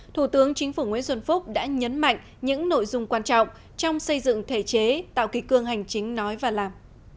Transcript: thủ tướng chính phủ nguyễn xuân phúc đã nhấn mạnh những nội dung quan trọng trong xây dựng thể chế tạo kỳ cương hành chính nói và làm